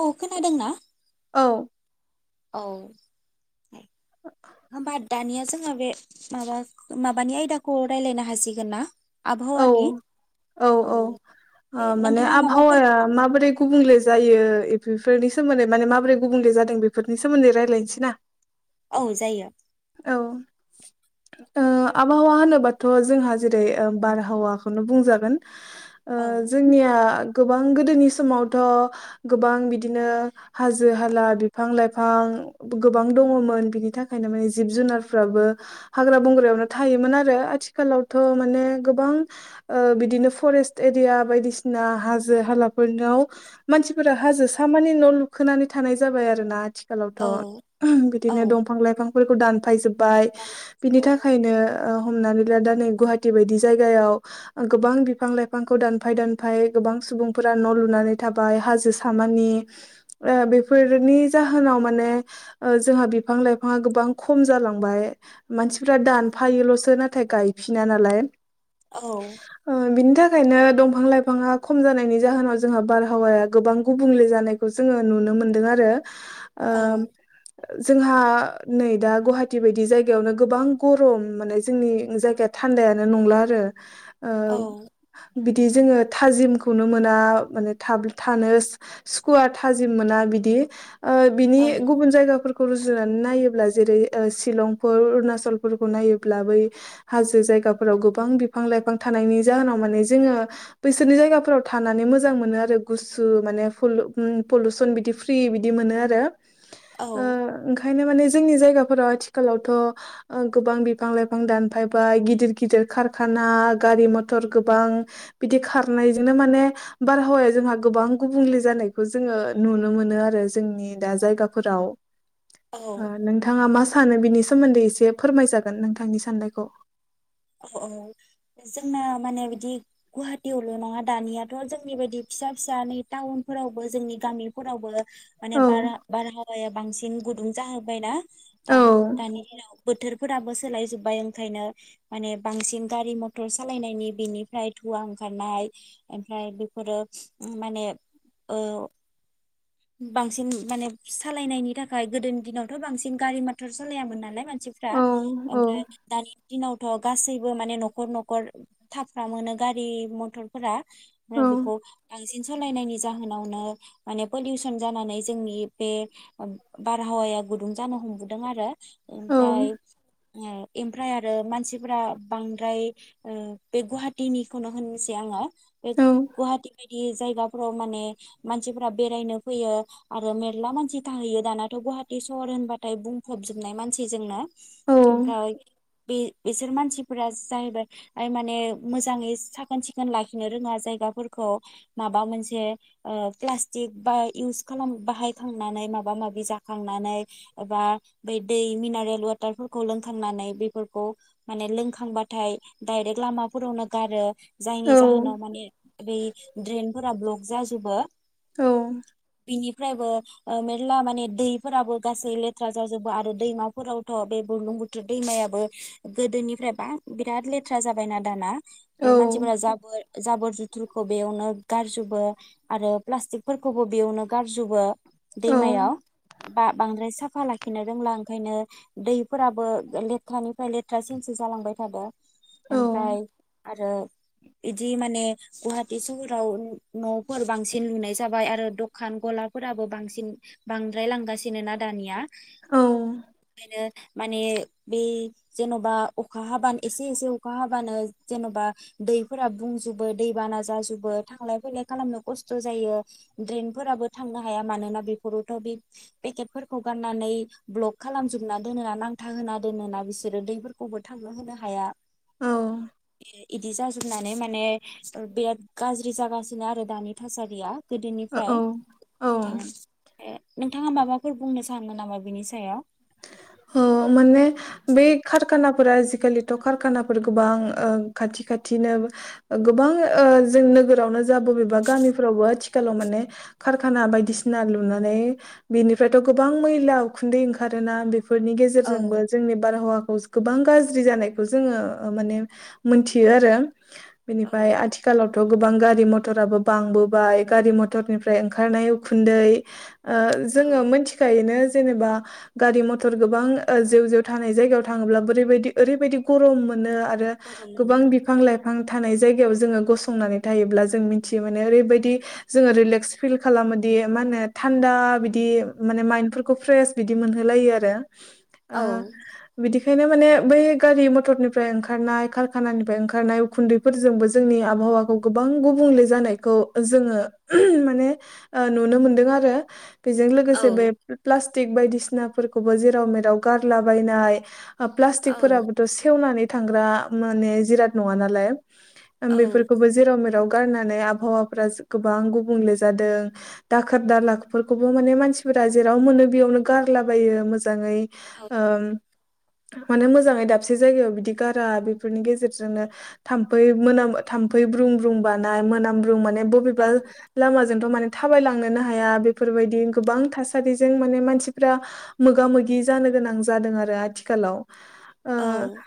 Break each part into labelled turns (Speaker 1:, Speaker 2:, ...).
Speaker 1: औ खोनादोंना?
Speaker 2: औ
Speaker 1: औ होमबा दानिया जों जोंङो बे माबा माबानि आयदाखौ रायजलायनो हासिगोन ना।
Speaker 2: औ
Speaker 1: आबहावानि
Speaker 2: औ औ
Speaker 1: बे
Speaker 2: माने
Speaker 1: नोंथाङा माबाफोर
Speaker 2: आबहावाया माबोरै गुबुंले जायो बेफोरनि सोमोन्दै माने माबोरै गुबुंले जादों बेफोरनि सोमोन्दै रायलायनोसै ना।
Speaker 1: औ जायो।
Speaker 2: औ आबहावा ओ होनोबाथ जोंहा जेरै बारहावाखौनो बुंजागोन। ओ
Speaker 1: औ
Speaker 2: जोंनिया गोबां गोदोनि समावथ गोबां बिदिनो हाजो हाला बिफां लाइफां गोबां दङमोन बिनि थाखायनो माने जिब जुनारफ्राबो हाग्रा बंग्रायावनो थायोमोन आरो आथिखालावथ माने गोबां बिदिनो फरेस्ट एरिया बायदिसिना हाजो हालाफोरनाव मानसिफोरा हाजो सामानि न लुखोनानै थानाय जाबाय आरो ना आथिख आथिखालावथ
Speaker 1: औ
Speaker 2: बिदिनो
Speaker 1: औ
Speaker 2: दंफां लाइफां फोरखौ दानफाय जोब बाय बिनि
Speaker 1: औ
Speaker 2: थाखायनो ओ हमनानै ला दा नै गुवाहाटि बायदि स जायगायाव गोबां बिफां लाइफांखौ दानफाय दानफाय गोबां सुबुंफोरा न' लुनानै थाबाय हाजो सामानि ओ बेफोरनि जाहोनाव माने ओ जोंहा बिफां लाइफाङा गोबां खम जालांबाय। मानसिफ्रा दानफायोल'सो ना नाथाय गायफिना नालाय
Speaker 1: औ
Speaker 2: अ बिनि थाखायनो दंफां लाइफाङा खम जानायनि जाहोनाव जोंहा बारहावाया गोबां गुबुंले जानायखौ जोङो नुनो मोनदों आरो। आ जोंहा नै दा गुवाहाटी बायदि जायगायावनो गोबां गरम माने जोंनि जायगाया थान्दायानो नंला रो औ बिदि जोङो थाजिमखौनो मोना माने थाब थानो सुकुवा थाजिम मोना बिदि ओ बिनि
Speaker 1: औ
Speaker 2: गुबुन जायगाफोर रुजुनानै नायोब्ला जेरै शिलंफोर अरुणाचलफोरखौ नायोब्ला बै हाजो जायगाफोराव गो गोबां बिफां लाइफां थानायनि जाहोनाव माने जोङो बैसोरनि जायगाफोराव थानानै मोजां मोनो आरो गुसु माने फलु पलुसन बिदि फ्रि बिदि मोनो आरो ओ
Speaker 1: औ
Speaker 2: ओंखा खायनो माने जोंनि जायगाफोराव आथिखालावथ' ओ गोबां बिफां लाइफां दानफायबाय गिदिर गिदिर खार खाना गारि मथर गोबां बिदि खारनायजोंनो माने बारहावाया जोंहा गोबां गुबुंले जानायखौ जोङो नुनो मोनो आरो जोंनि दा जायगाफोराव।
Speaker 1: औ
Speaker 2: ओ नोंथाङा मास फानो बिनि सोमोन्दै एसे फोरमायजागोन नोंथांनि साननायखौ।
Speaker 1: अ औ जोंना माने बिदि गुवाहाटियावल नङा दानियाथ' जोंनि बायदि फिसा फिसा नै टाउनफोरावबो जोंनि गामिफोरावबो माने
Speaker 2: औ
Speaker 1: बारा बारहावाया बांसिन गुद रुंजाहोबबाय ना।
Speaker 2: औ
Speaker 1: दान‌ दानि हेलौ बोथोरफोराबो सोलाय जोब्बाय ओंखायनो। माने बांसिन गारि मथर सालायनायनि बेनिफ्राय धुवा ओंखारनाय ओमफ्राय बेफोरो माने ओ बांसिन माने सालायनायनि थाखाय गोदोनि दिनावथ बांसिन गारि मथर सालायामोन नालाय मान मानसिफ्रा
Speaker 2: औ औ
Speaker 1: दानि दिनाव थ गासैबो माने नखर नखर थाफ्रामोनो गारि मथरफोरा
Speaker 2: औ
Speaker 1: बेखौ बांसिन सालायनायनि जा होनावनो माने पलिउसन जानानै जोंनि बे अब बारहावाया गुदुं जानो हमबोदों आरो।
Speaker 2: औ
Speaker 1: ओमफ्राय अम एमफ्राय आरो मानसि फुरा बांद्राय ओ बे गुवाहाटिनिखौनो होननोसै आंङो एक गुवाहाटि बाय बि जायगाफ्राव माने मानसिफोरा बेरायनो फैयो आरो मेरला मानसि थाहैयो दानाथ गुवाहाटि सहर होनबाथाय बुंफबजोबनाय मानसिजोंनो। ओमफ्राय बे बिसोर मानसिफोरा जाहैबाय आइ माने मोजाङै साखोन सिखोन लाखिनो रोङा जायगाफोरखौ माबा मोनसे ओ प्लास्टिक बा इउस खालाम बाहायखांनानै माबा माबि जाखांनानै एबा बै दै मिनारेल वाटारफोरखौ लोंखांनानै बेफोरखौ माने लोंखांबाथाय डाइरेक्ट लामाफोरावनो गारो।
Speaker 2: औ
Speaker 1: जायनि जाहोनाव
Speaker 2: औ
Speaker 1: माने बै ड्रेनफोरा ब्लक जाजोबो बिनि फ्रायबो ओ मेरला माने दैफोराबो गासै लेथ्रा जाजोबो आरो दैमाफोरावथ बे बुरलुं बुथुर दैमायाबो गोदोनिफ्रायबा बिराद लेथ्रा जाबायना दाना। बे मानसिफोरा
Speaker 2: औ
Speaker 1: जाबोर जाबोर जुथुरखौ बेयावनो गारजोबो आरो प्लास्टिकफोरखौबो बेयावनो गार जुबो दैमायाव बा बांद्राय साफ फा लाखिनो रोंला ओंखायनो दैफोराबो लेथ्रानिफ्राय लेथ था सिनसो जालांबाय थादो ओमफाय आरो इदि माने गुवाहाटि सहराव नफोर बांसिन लुनाय जाबाय आरो दखान गलाफोराबो बांसिन बांद्राय लांगासिनो ना दानिया।
Speaker 2: औ
Speaker 1: बेनो माने बे जेनबा अखा हाबानो एसे एसे अखा हाब बानो जेनबा दैफोरा बुंजोबो दै बाना जाजोबो थांलाय फैलाय खालामनो खस्थ जायो द्रेनफोराबो थांनो हाया मानोना बेफोरावथ बे पेकेटफोरखौ गारनानै ब्लक खालामजोबना दोनोना नांथा होना दोनोना बिसो रो दैफोरखौबो थांनो होनो हाया
Speaker 2: औ
Speaker 1: इदि जाजोबनानै माने ओ बिराद गाज्रि जागासिनो आरो दानि थासारिया।
Speaker 2: औ
Speaker 1: गोदोनिफ्राय
Speaker 2: औ
Speaker 1: बिदिनो नोंथाङा माबाफोर बुंनो सानो नामा बिनि सायाव?
Speaker 2: औ माने बे खार कारखानाफोरा आजिखालिथ कारखानाफोर गोबां ओ खाथि खाथिनो गोबां ओ जों नोगोरावनो जा बबेबा गामिफोरावबो आथिखालाव माने कारखाना बायदिसिना लुनानै बेनिफ्रायथ गोबां मैला उखुन्दै ओंखारोना बेफोर फोरनि
Speaker 1: औ
Speaker 2: गेजेरजोंबो जोंनि बारहावा खौ गोबां गाज्रि जानायखौ जोङो ओ माने मोनथियो आरो।
Speaker 1: औ
Speaker 2: बेनिफाय आथिखालावथ गोबां गारि मथराबो बांबोबाय गारि मथरनिफ्राय ओंखारनाय उखुन्दै ओ
Speaker 1: औ
Speaker 2: जोङो मोनथिखायोनो जेनेबा गारि मथ थर गोबां ओ जेउ जेउ थानाय जायगायाव थाङोब्ला बोरैबायदि ओरैबायदि गरम मोन नो आरो
Speaker 1: बर'
Speaker 2: गोबां
Speaker 1: मोनो
Speaker 2: बिफां लाइफां थानाय जायगायाव जोङो गसंनानै थायोब्ला जों मिथियो माने ओरैबायदि जोङो रिलेक्स फिल खालामोदि मा होनो थान्दा बिदि माने माइन्दफोरखौ फ्रेस बिदि मोनहोलायो आर [unintelligible]
Speaker 1: औ
Speaker 2: खायनो माने बै गारि मथरनिफ्राय ओंखारनाय कारखानानिफ्राय ओंखारनाय उखुन्दैफोरजोंबो जोंनि आबहावाखौ गोबां गुबुंले जानायखौ जोङो ओ माने नुनो मोनदों आरो। बेजों
Speaker 1: औ
Speaker 2: लोगोसे बे प्लास स्टिक बायदिसिना फोर खौबो जेराव मेराव गारलाबायनाय
Speaker 1: औ
Speaker 2: प्लास्टिकफोराबोथ सेवनानै थांग्रा मोने जिराद नङा नालाय
Speaker 1: औ
Speaker 2: बेफोरखौबो जेराव मेराव गारनानै आबहावाफोरा गोबां गुबुंले जादों दाखोर दालाफोरखौबो माने मानसिफोरा जेराव मोनो बेयावनो गारलाबायो। [unintelligible] ओम
Speaker 1: औ
Speaker 2: मानो मोजाङै दाबसे जायगायाव बिदि गारा? बेफोरनि गेजेरजोंनो थामफै मोनामो थाम्फै ब्रुं ब्रुं बानाय मोनाम ब्रुं माने
Speaker 1: औ
Speaker 2: बबेबा लामा जोंथ माने थाबायलांनोनो हाया बेफोरबायदि गोबां थासारिजों माने मानसिफोरा मोगा मोगि जानो गोनां जादों आरो आथिखालाव
Speaker 1: औ।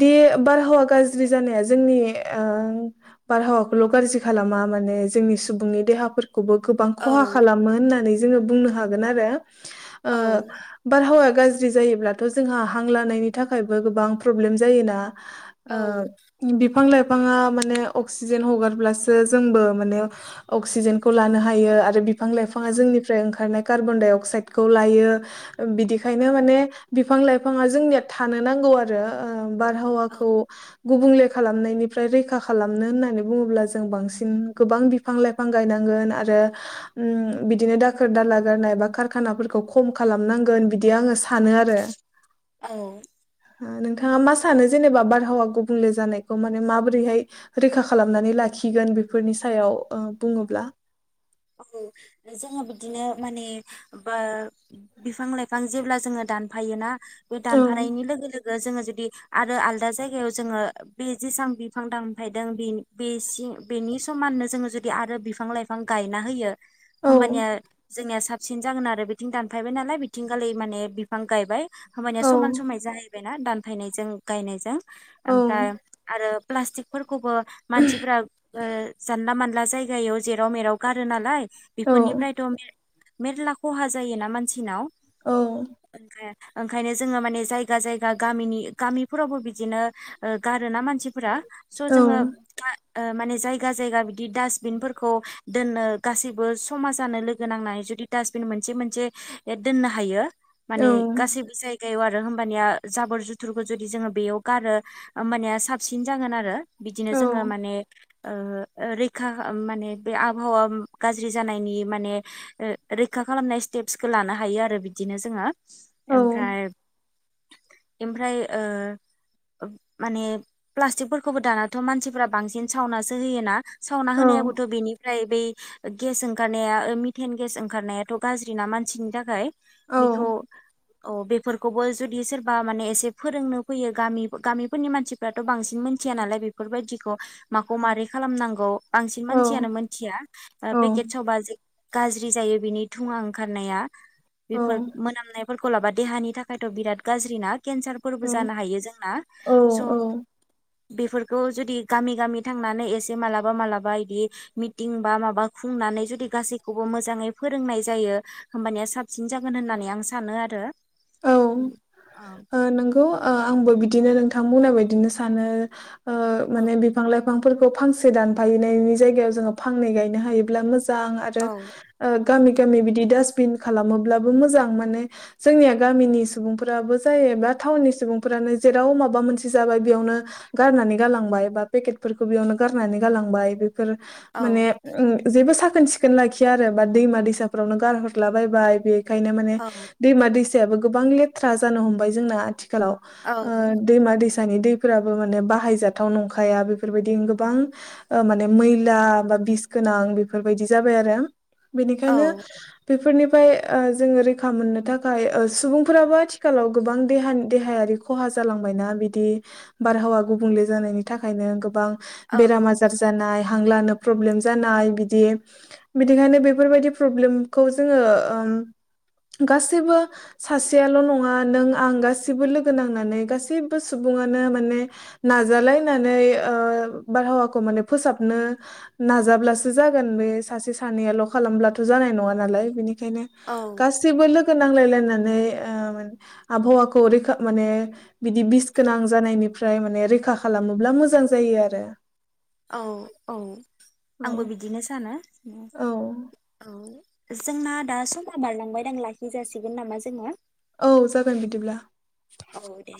Speaker 2: दि बारहावा गाज्रि जानाया जोंनि ओ बारहावाखौल गाज्रि खालामा माने जोंनि सुबुंनि देहाफोर खौबो गोबां खहा खालामो होननानै जोंङो बुंनो हागोन आरो ओ बारहावाया गाज्रि जायोब्लाथ' जोंहा हां लानायनि थाखायबो गोबां प्रब्लेम जायोना ओ बि बिफां लाइफाङा माने अक्सिजेन हगारब्लासो जोंबो माने अक्सिजेनखौ लानो हायो आरो बिफां लाइफाङा जोंनिफ्राय ओंखारनाय, कार्बन डाइ अक्साइडखौ लायो बिदिखायनो माने बिफां लाइफाङा जोंनिया थानो नांगौ आरो ओ
Speaker 1: औ
Speaker 2: बारहावाखौ गुबुंले खालामनायनिफ्राय रैखा खालामनो होननानै बुंङोब्ला जों बांसिन गोबां बिफां लाइफां गायनांगोन आरो उम बिदिनो दाखोर दाला गारनाय एबा खारखानाफोरखौ खम खालामनां गोन बिदि आङो सानो आरो
Speaker 1: औ
Speaker 2: ओ नोंथाङा मा सानो जेनेबा बारहावा गुबुंले जानायखौ माने माबोरैहाय रैखा खालामनानै लाखिगोन बेफोरनि सायाव बुङोब्ला?
Speaker 1: औ जोङो बिदिनो माने बा बिफां लाइफां जेब्ला जोङो दानफायोना बे
Speaker 2: औ
Speaker 1: दानफानायनि लोगो-लोगो जोङो जुदि आरो आलदा जायगायाव जोङो बे जेसेबां बिफां दानफायदों बेनि समाननो जोङो जुदि आरो बिफां-लाइफां गायना होयो।
Speaker 2: औ
Speaker 1: होबानिया जोंनिया साब साबसिन जागोन आरो बिथिं दानफायबाय नालाय बिथिंगालि माने बिफां गायबाय। होनबानिया
Speaker 2: औ
Speaker 1: समान समान जाहै जाबायना दानफायनायजों गायनायजों
Speaker 2: औ
Speaker 1: ओमफ्राय आरो प्लासटिकफोर खौबो मानसिफोरा ओ जानला मान ला जायगायाव जेराव-मेराव गारो नालाय
Speaker 2: औ
Speaker 1: बेफोरनिफ्रायथ' मेरला खहा जायोना मानसिनाव
Speaker 2: औ
Speaker 1: ओंखाय ओंखायनो जोङो माने जायगा जायगा गामिनि गामिफोरावबो बिदिनो गारोना मानसिफोरा, स'
Speaker 2: औ
Speaker 1: जोङो ओ माने जायगा जायगा बि बि डासबिनफोरखौ दोननो गासैबो समाजानो लोगो नांनाय जुदि डासबिन मोनसे मोनसे दोननो हायो। माने गासै बिजाय गायाव आरो होमबानिया जाबोर जुथुरखौ जुदि जोङो बेयाव गारो होमबानिया साबसिन जागोन आरो बिदिनो
Speaker 2: औ
Speaker 1: जोङो माने ओ ओरैखा माने बे आबहावा गाज्रि जानायनि माने रैखा खालामनाय स्टेप्सखौ लानो हायो आरो बिदिनो जोङो
Speaker 2: औ
Speaker 1: ओमफ्राय ओमफ्राय ओ माने प्लास्टिकफोरखौबो दानाथ मानसिफोरा बांसिन सावनासो होयोना सावना
Speaker 2: औ
Speaker 1: होनायाबोथ बेनि ओमफ्राय बै गेस ओंखारनाया मिथेन गेस ओंखारनायाथ' गाज्रि ना मानसिनि थाखाय
Speaker 2: औ
Speaker 1: बेखौ औ बेफोरखौबो जुदि सोरबा माने एसे फोरोंनो फैयो गामि गामिफोरनि मानसिफ्राथ' बांसिन मोनथिया नालाय बेफोरबायदिखौ माखौ माबोरै खालामनांगौ बांसिन
Speaker 2: औ
Speaker 1: मानसियानो मोन मिथाया ओ फेकेट सावबा जे गाज्रि जायो बिनि थुुंङा ओंखारनाया बेफोरख मोनामनाय फोरखौ लाबा देहानि थाखायथ' बिराद गाज्रि ना। केन्सारफोरबो जानो हायो जोंना
Speaker 2: औ
Speaker 1: स बेफोरखौ जुदि गामि गामि थांनानै एसे मालाबा मालाबा इदि मि थिं बा माबा खुंनानै जुदि गासै खौबो मोजाङै फोरोंनाय जायो होमबानिया साबसिन जागोन होननानै आं सानो आरो
Speaker 2: औ
Speaker 1: औ
Speaker 2: ओ नंगौ ओ आंबो बिद बिदिनो नोंथां बुंनाय बायदिनो सानो ओ माने बिफां लाइ बिफांफोरखौ फांसे दानफायनायनि जायगायाव जोङो फांनै गायनो हायोब्ला मोज मोजां आरो
Speaker 1: औ
Speaker 2: ओग गामि गामि बिदि डास्टबिन खालामोब्लाबो मोजां माने जोंनिया गामिनि सुबुंफोराबो जायोबा टाउननि सुबुंफोरानो जेराव माबा मोनसे जाबाय बेयावनो गारनानै गालांबाय बा पेकेटफोरखौ बेयावनो गारनानै गालांबाय बे फोर
Speaker 1: औ
Speaker 2: माने ओम बेबो साख साखोन सिखोन लाखिया आरो बा दैमा दैसाफोरावनो गारहरलाबाय बे खायनो माने दैमा दैस सायाबो गोबां लेथ्रा जानो हमबाय जोंना आथि थिखालाव
Speaker 1: औ
Speaker 2: ओ दैमा दैस सानि दैफोराबो माने बाहायजाथाव नंखाया बेफोरबायदि गोबां ओ माने मैला बा बिस गोनां बेफोरबायदि जाबायआरो बेनिखायनो बेफोरनिफ्राय ओ जोङो रैखा मोननो थाखाय ओ सुबुंफोराबो आथिखालाव गोबां देहानि देहायारि खहा जालांबायना बिदि बारहावा गुबुंले जानायनि थाखायनो गोबां
Speaker 1: औ
Speaker 2: बेराम आजार जानाय हांलानो प्रब्लेम जानाय बिदि बिदिखायनो बेफोरबायदि प्रब्लेमखौ जोङो ओम गासैबो सासेयाल' नङा नों आं गासिबो लोगो नांनानै गासैबो सुबुङानो माने नाजालायनानै ओ बारहावाखौ माने फोसाबनो नाजाब्लासो जागोन बे सासे सानैयाल' खालामब्लाथ' जानाय नङा नालाय बिनि नायनो
Speaker 1: औ
Speaker 2: गासैबो लोगो सो नांलायलायनानै [unintelligible] आबहावाखौ रैखा माने बिदि बिष गोनां जानायनिफ्राय माने रैखा खालामोब्ला मोजां जायो आरो।
Speaker 1: औ औ
Speaker 2: औ
Speaker 1: आंबो बिदिनो सानो। [unintelligible]
Speaker 2: औ
Speaker 1: जोंना दा समा बारलांबायदां लाखि जाासिगोन नामा जोङो।
Speaker 2: औ जागोन बिदिब्ला।
Speaker 1: औ दे।